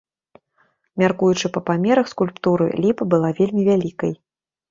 Мяркуючы па памерах скульптуры, ліпа была вельмі вялікай.